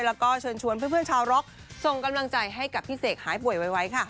แล้วก็เชิญชวนเพื่อนชาวร็อกส่งกำลังใจให้กับพี่เสกหายป่วยไวค่ะ